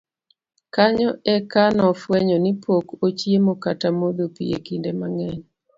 kanyo eka nofwenyo ni pok ochiemo kata modho pi e kinde mang'eny